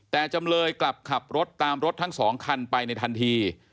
แต่จำเลยกลับขับรถตามรถทั้ง๒คันไปในทันที